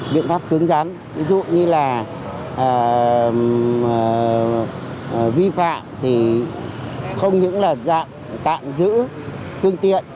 biện pháp cứng rắn ví dụ như là vi phạm thì không những là dạng tạm giữ phương tiện